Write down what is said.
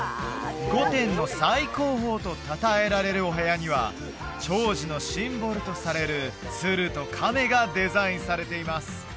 御殿の最高峰とたたえられるお部屋には長寿のシンボルとされる鶴と亀がデザインされています